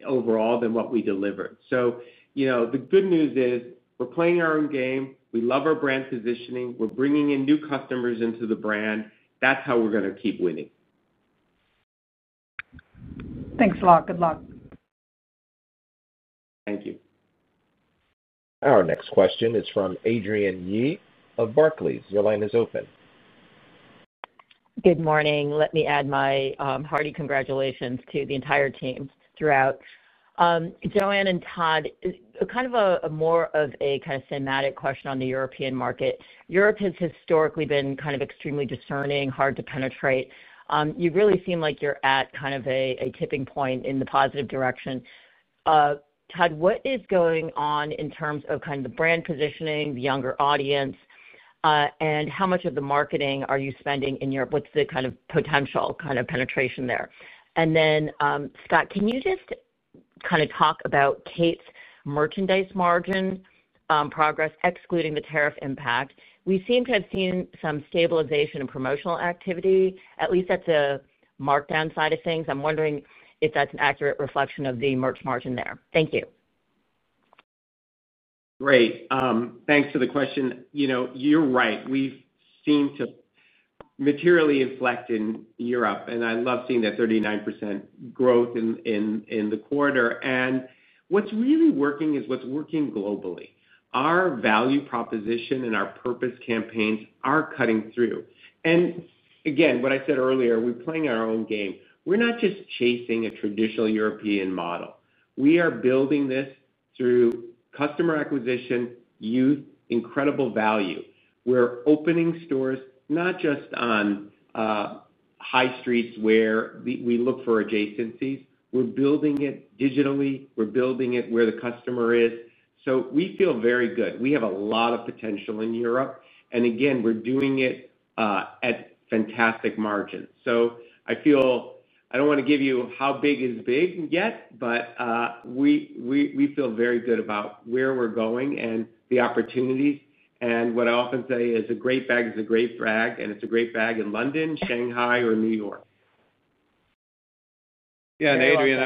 overall than what we delivered. The good news is we're playing our own game. We love our brand positioning. We're bringing in new customers into the brand. That's how we're going to keep winning. Thanks a lot. Good luck. Thank you. Our next question is from Adrian Yee of Barclays. Your line is open. Good morning. Let me add my hearty congratulations to the entire team throughout. Joanne and Todd, kind of more of a kind of thematic question on the European market. Europe has historically been kind of extremely discerning, hard to penetrate. You really seem like you're at kind of a tipping point in the positive direction. Todd, what is going on in terms of kind of the brand positioning, the younger audience. How much of the marketing are you spending in Europe? What's the kind of potential kind of penetration there? Scott, can you just kind of talk about Kate's merchandise margin progress, excluding the tariff impact? We seem to have seen some stabilization in promotional activity, at least at the markdown side of things. I'm wondering if that's an accurate reflection of the merch margin there. Thank you. Great. Thanks for the question. You're right. We've seemed to materially inflect in Europe. I love seeing that 39% growth in the quarter. What's really working is what's working globally. Our value proposition and our purpose campaigns are cutting through. Again, what I said earlier, we're playing our own game. We're not just chasing a traditional European model. We are building this through customer acquisition, youth, incredible value. We're opening stores not just on high streets where we look for adjacencies. We're building it digitally. We're building it where the customer is. We feel very good. We have a lot of potential in Europe. Again, we're doing it at fantastic margins. I do not want to give you how big is big yet, but we feel very good about where we're going and the opportunities. What I often say is a great bag is a great flag, and it's a great bag in London, Shanghai, or New York. Yeah, and Adrian,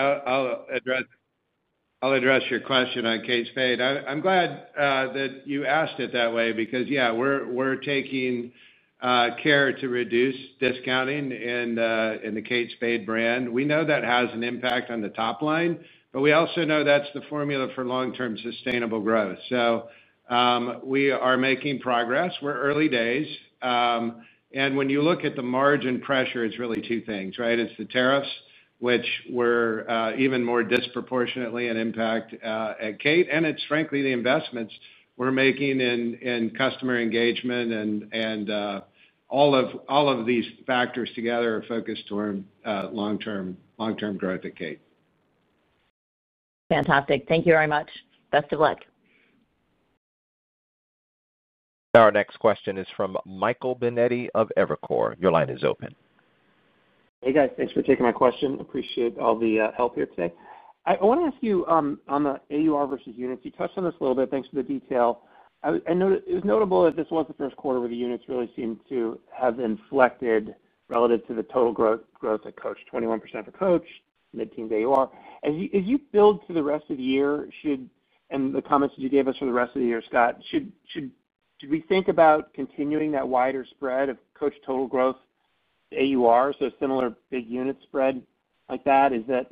I'll address your question on Kate Spade. I'm glad that you asked it that way because, yeah, we're taking care to reduce discounting in the Kate Spade brand. We know that has an impact on the top line, but we also know that's the formula for long-term sustainable growth. We are making progress. We're early days. When you look at the margin pressure, it's really two things, right? It's the tariffs, which we're even more disproportionately at impact at Kate. It is, frankly, the investments we're making in customer engagement and all of these factors together are focused toward long-term growth at Kate. Fantastic. Thank you very much. Best of luck. Our next question is from Michael Binetti of Evercore. Your line is open. Hey, guys. Thanks for taking my question. Appreciate all the help here today. I want to ask you on the AUR versus units. You touched on this a little bit. Thanks for the detail. It was notable that this was the first quarter where the units really seemed to have inflected relative to the total growth at Coach, 21% for Coach, mid-teen AUR. As you build to the rest of the year, and the comments that you gave us for the rest of the year, Scott, should we think about continuing that wider spread of Coach total growth AUR, so similar big unit spread like that? Is that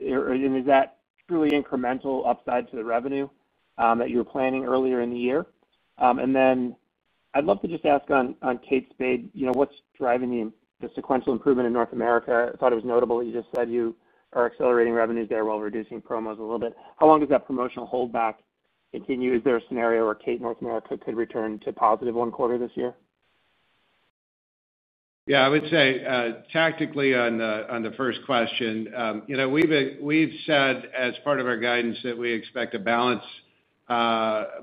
truly incremental upside to the revenue that you were planning earlier in the year? I'd love to just ask on Kate Spade, what's driving the sequential improvement in North America? I thought it was notable that you just said you are accelerating revenues there while reducing promos a little bit. How long does that promotional holdback continue? Is there a scenario where Kate North America could return to positive one quarter this year? I would say tactically on the first question, we've said as part of our guidance that we expect a balance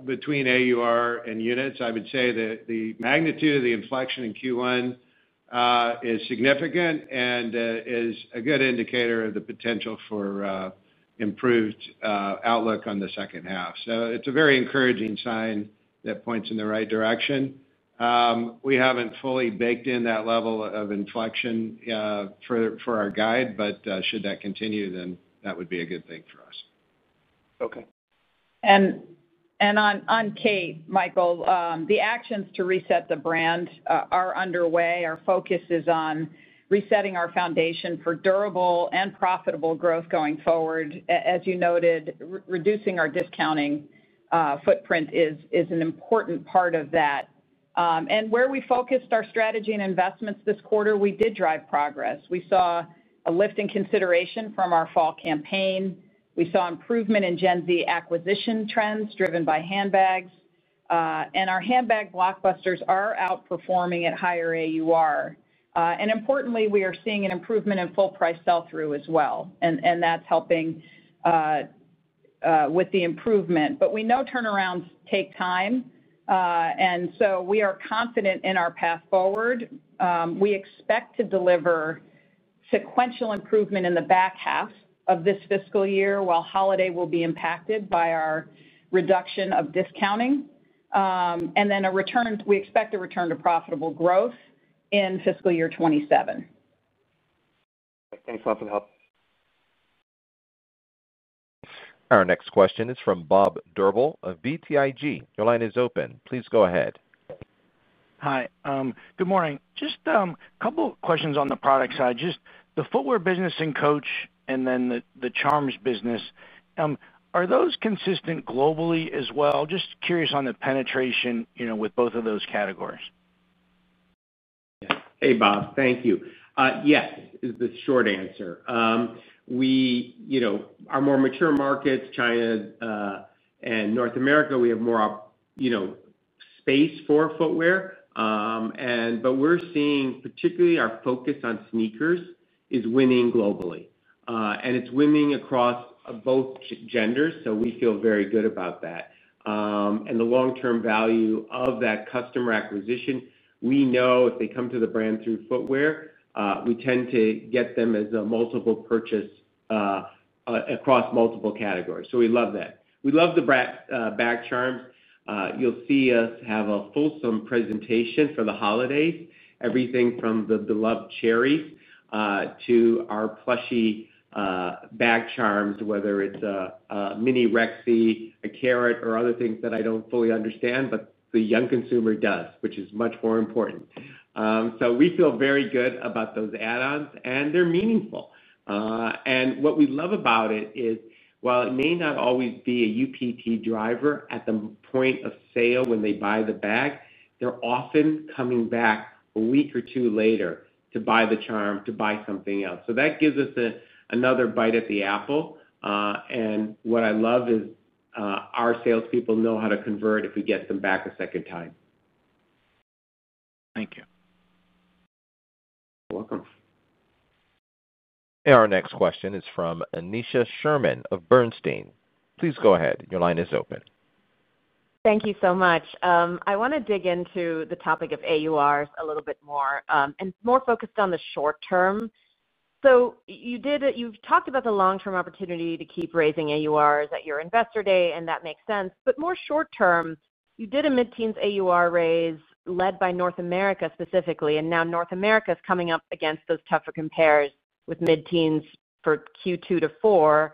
between AUR and units. I would say the magnitude of the inflection in Q1 is significant and is a good indicator of the potential for improved outlook on the second half. It's a very encouraging sign that points in the right direction. We have not fully baked in that level of inflection for our guide, but should that continue, then that would be a good thing for us. Okay. On Kate, Michael, the actions to reset the brand are underway. Our focus is on resetting our foundation for durable and profitable growth going forward. As you noted, reducing our discounting footprint is an important part of that. Where we focused our strategy and investments this quarter, we did drive progress. We saw a lift in consideration from our fall campaign. We saw improvement in Gen Z acquisition trends driven by handbags. Our handbag blockbusters are outperforming at higher AUR. Importantly, we are seeing an improvement in full price sell-through as well. That is helping with the improvement. We know turnarounds take time. We are confident in our path forward. We expect to deliver. Sequential improvement in the back half of this fiscal year while holiday will be impacted by our reduction of discounting. We expect a return to profitable growth in fiscal year 2027. Thanks a lot for the help. Our next question is from Bob Drbul of BTIG. Your line is open. Please go ahead. Hi. Good morning. Just a couple of questions on the product side. Just the footwear business and Coach and then the charms business. Are those consistent globally as well? Just curious on the penetration with both of those categories. Hey, Bob. Thank you. Yes. The short answer. Our more mature markets, China and North America, we have more space for footwear. We are seeing particularly our focus on sneakers is winning globally. It is winning across both genders, so we feel very good about that. The long-term value of that customer acquisition, we know if they come to the brand through footwear, we tend to get them as a multiple purchase across multiple categories. We love that. We love the bag charms. You'll see us have a fulsome presentation for the holidays, everything from the beloved cherries to our plushy bag charms, whether it's a mini Rexy, a carrot, or other things that I don't fully understand, but the young consumer does, which is much more important. We feel very good about those add-ons, and they're meaningful. What we love about it is, while it may not always be a UPT driver at the point of sale when they buy the bag, they're often coming back a week or two later to buy the charm, to buy something else. That gives us another bite at the apple. What I love is our salespeople know how to convert if we get them back a second time. Thank you. You're welcome. Our next question is from Aneesha Sherman of Bernstein. Please go ahead. Your line is open. Thank you so much. I want to dig into the topic of AURs a little bit more and more focused on the short term. You have talked about the long-term opportunity to keep raising AURs at your investor day, and that makes sense. More short term, you did a mid-teens AUR raise led by North America specifically, and now North America is coming up against those tougher compares with mid-teens for Q2 to 4.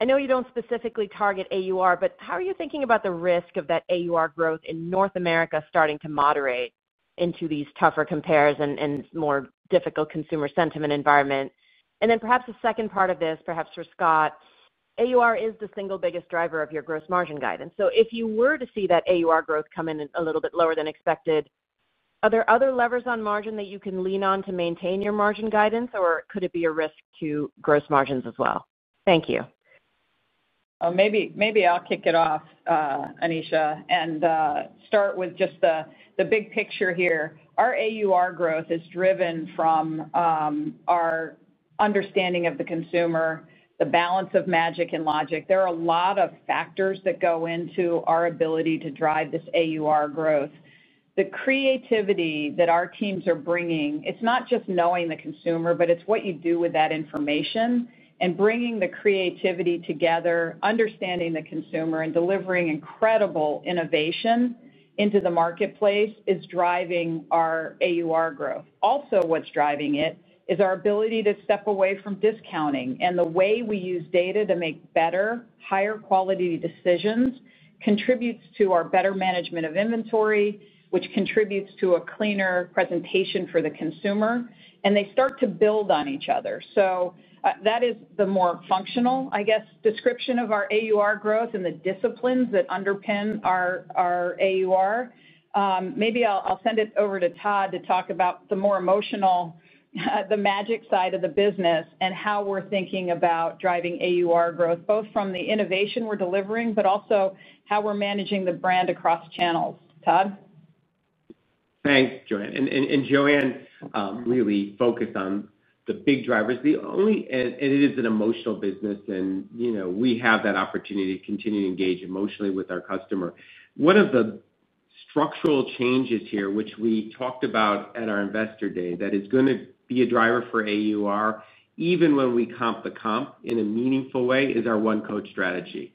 I know you do not specifically target AUR, but how are you thinking about the risk of that AUR growth in North America starting to moderate into these tougher compares and more difficult consumer sentiment environment? And then perhaps the second part of this, perhaps for Scott, AUR is the single biggest driver of your gross margin guidance. If you were to see that AUR growth come in a little bit lower than expected, are there other levers on margin that you can lean on to maintain your margin guidance, or could it be a risk to gross margins as well? Thank you. Maybe I'll kick it off. Aneesha, and start with just the big picture here. Our AUR growth is driven from our understanding of the consumer, the balance of magic and logic. There are a lot of factors that go into our ability to drive this AUR growth. The creativity that our teams are bringing, it's not just knowing the consumer, but it's what you do with that information and bringing the creativity together, understanding the consumer and delivering incredible innovation into the marketplace is driving our AUR growth. Also, what's driving it is our ability to step away from discounting. The way we use data to make better, higher quality decisions contributes to our better management of inventory, which contributes to a cleaner presentation for the consumer. They start to build on each other. That is the more functional, I guess, description of our AUR growth and the disciplines that underpin our AUR. Maybe I'll send it over to Todd to talk about the more emotional. The magic side of the business and how we're thinking about driving AUR growth, both from the innovation we're delivering, but also how we're managing the brand across channels. Todd? Thanks, Joanne. Joanne really focused on the big drivers. It is an emotional business, and we have that opportunity to continue to engage emotionally with our customer. One of the structural changes here, which we talked about at our investor day, that is going to be a driver for AUR, even when we comp the comp in a meaningful way, is our one Coach strategy.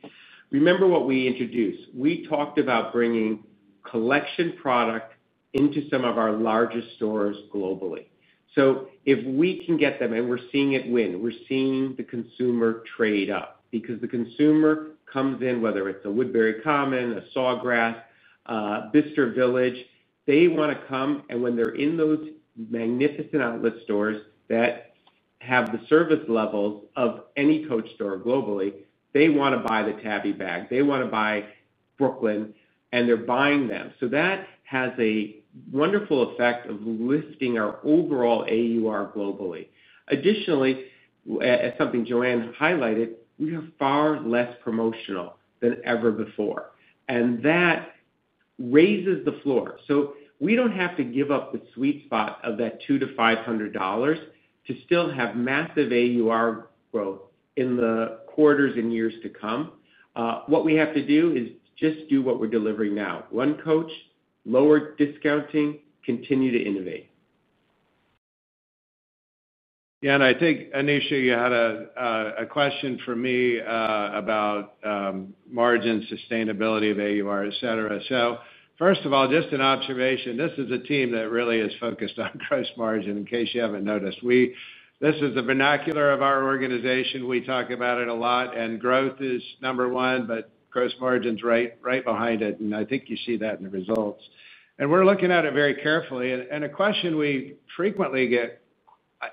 Remember what we introduced. We talked about bringing collection product into some of our largest stores globally. If we can get them, and we're seeing it win, we're seeing the consumer trade up because the consumer comes in, whether it's a Woodbury Commons, a Sawgrass, Bicester Village, they want to come. When they're in those magnificent outlet stores that have the service levels of any Coach store globally, they want to buy the Tabby bag. They want to buy Brooklyn, and they're buying them. That has a wonderful effect of lifting our overall AUR globally. Additionally, as something Joanne highlighted, we have far less promotional than ever before. That raises the floor. We do not have to give up the sweet spot of that $200-$500 to still have massive AUR growth in the quarters and years to come. What we have to do is just do what we're delivering now. One Coach, lower discounting, continue to innovate. Yeah, and I think, Aneesha, you had a question for me about margin sustainability of AUR, etc. First of all, just an observation. This is a team that really is focused on gross margin, in case you haven't noticed. This is the vernacular of our organization. We talk about it a lot. Growth is number one, but gross margin's right behind it. I think you see that in the results. We're looking at it very carefully. A question we frequently get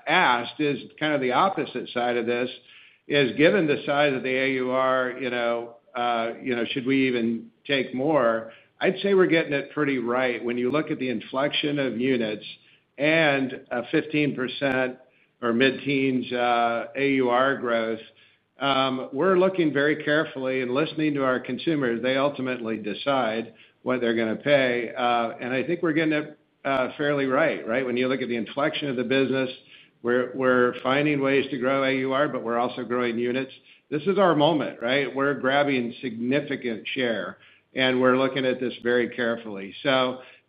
asked is kind of the opposite side of this, is given the size of the AUR. Should we even take more? I'd say we're getting it pretty right. When you look at the inflection of units and a 15% or mid-teens AUR growth. We're looking very carefully and listening to our consumers. They ultimately decide what they're going to pay. I think we're getting it fairly right, right? When you look at the inflection of the business. We're finding ways to grow AUR, but we're also growing units. This is our moment, right? We're grabbing significant share, and we're looking at this very carefully.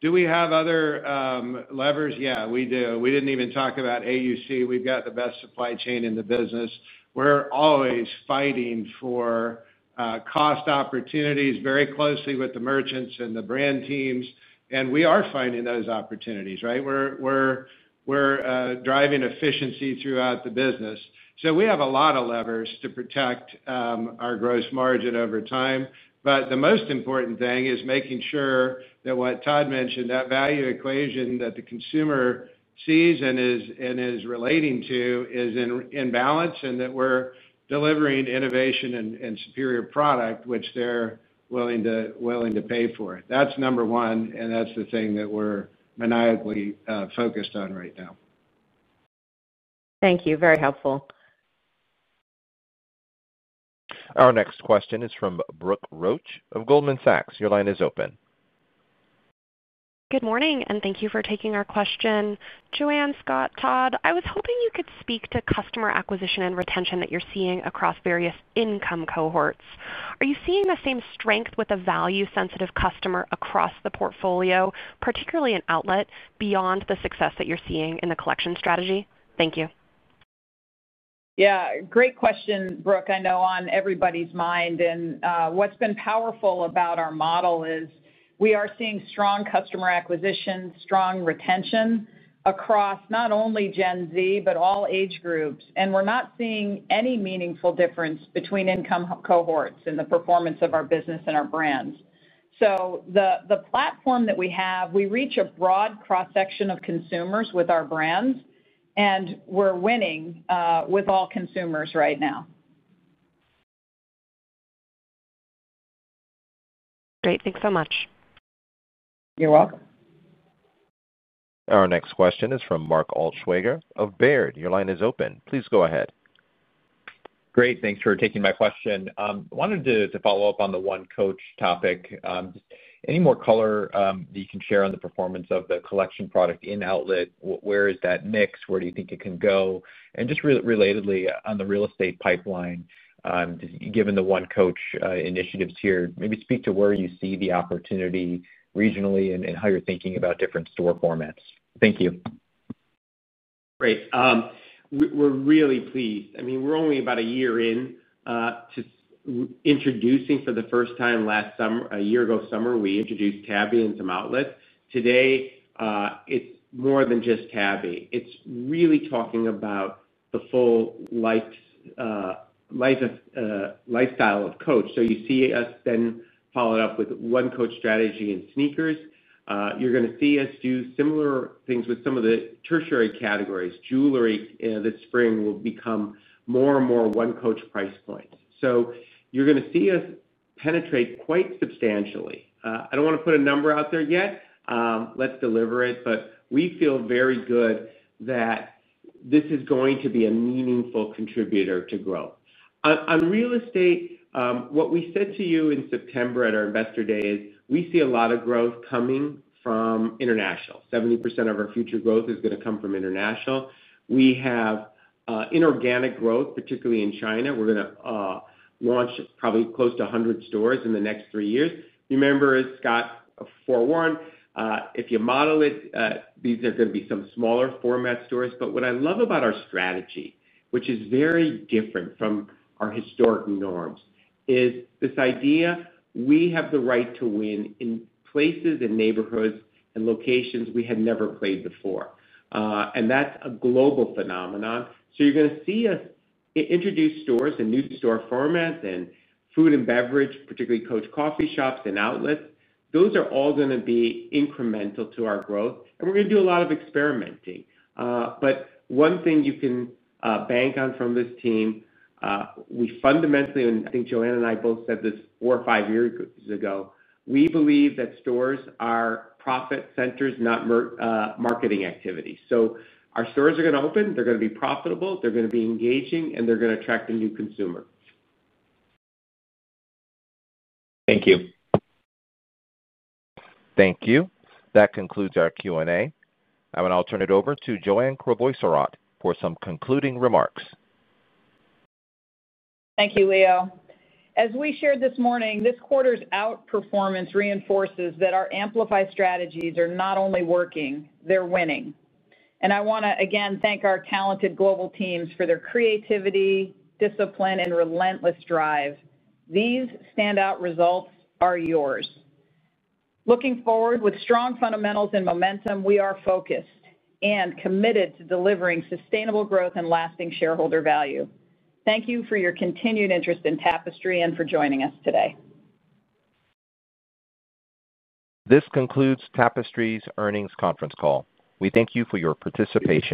Do we have other levers? Yeah, we do. We didn't even talk about AUC. We've got the best supply chain in the business. We're always fighting for cost opportunities very closely with the merchants and the brand teams. We are finding those opportunities, right? We're driving efficiency throughout the business. We have a lot of levers to protect our gross margin over time. The most important thing is making sure that what Todd mentioned, that value equation that the consumer sees and is relating to is in balance and that we're delivering innovation and superior product, which they're willing to pay for. That's number one, and that's the thing that we're maniacally focused on right now. Thank you. Very helpful. Our next question is from Brooke Roach of Goldman Sachs. Your line is open. Good morning, and thank you for taking our question. Joanne, Scott, Todd, I was hoping you could speak to customer acquisition and retention that you're seeing across various income cohorts. Are you seeing the same strength with a value-sensitive customer across the portfolio, particularly an outlet, beyond the success that you're seeing in the collection strategy? Thank you. Yeah. Great question, Brooke. I know on everybody's mind. And what's been powerful about our model is we are seeing strong customer acquisition, strong retention across not only Gen Z, but all age groups. And we're not seeing any meaningful difference between income cohorts in the performance of our business and our brands. The platform that we have, we reach a broad cross-section of consumers with our brands, and we're winning with all consumers right now. Great. Thanks so much. You're welcome. Our next question is from Mark Altschwager of Baird. Your line is open. Please go ahead. Great. Thanks for taking my question. I wanted to follow up on the one coach topic. Any more color that you can share on the performance of the collection product in outlet? Where is that mix? Where do you think it can go? And just relatedly on the real estate pipeline. Given the one coach initiatives here, maybe speak to where you see the opportunity regionally and how you're thinking about different store formats. Thank you. Great. We're really pleased. I mean, we're only about a year in. Introducing for the first time last summer, a year ago summer, we introduced Tabby in some outlets. Today, it is more than just Tabby. It is really talking about the full lifestyle of Coach. You see us then followed up with one Coach strategy in sneakers. You are going to see us do similar things with some of the tertiary categories. Jewelry this spring will become more and more one Coach price points. You are going to see us penetrate quite substantially. I do not want to put a number out there yet. Let us deliver it. We feel very good that this is going to be a meaningful contributor to growth. On real estate, what we said to you in September at our investor day is we see a lot of growth coming from international. 70% of our future growth is going to come from international. We have. Inorganic growth, particularly in China. We're going to launch probably close to 100 stores in the next three years. Remember, as Scott forewarned, if you model it, these are going to be some smaller format stores. What I love about our strategy, which is very different from our historic norms, is this idea we have the right to win in places and neighborhoods and locations we had never played before. That is a global phenomenon. You are going to see us introduce stores and new store formats and food and beverage, particularly Coach coffee shops and outlets. Those are all going to be incremental to our growth. We are going to do a lot of experimenting. One thing you can bank on from this team, we fundamentally, and I think Joanne and I both said this four or five years ago, we believe that stores are profit centers, not marketing activity. Our stores are going to open. They're going to be profitable. They're going to be engaging, and they're going to attract a new consumer. Thank you. Thank you. That concludes our Q&A. I'm going to turn it over to Joanne Crevoiserat for some concluding remarks. Thank you, Leo. As we shared this morning, this quarter's outperformance reinforces that our amplify strategies are not only working, they're winning. I want to, again, thank our talented global teams for their creativity, discipline, and relentless drive. These standout results are yours. Looking forward with strong fundamentals and momentum, we are focused and committed to delivering sustainable growth and lasting shareholder value. Thank you for your continued interest in Tapestry and for joining us today. This concludes Tapestry's earnings conference call. We thank you for your participation.